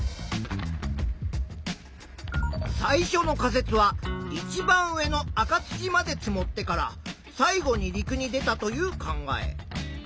最初の仮説はいちばん上の赤土まで積もってから最後に陸に出たという考え。